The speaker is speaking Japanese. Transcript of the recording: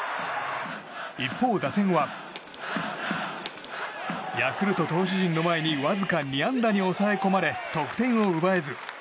一方、打線はヤクルト投手陣の前にわずか２安打に抑え込まれ得点を奪えず。